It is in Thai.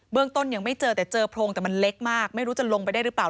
ต้นยังไม่เจอแต่เจอโพรงแต่มันเล็กมากไม่รู้จะลงไปได้หรือเปล่า